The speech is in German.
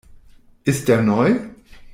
Ist der neu?